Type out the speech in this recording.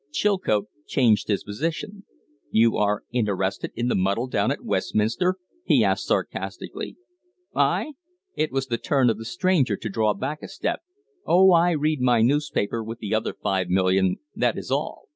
Chilcote changed his position. "You are interested in the muddle down at Westminster?" he asked, sarcastically. "I ?" It was the turn of the stranger to draw back a step. "Oh, I read my newspaper with the other five million, that is all.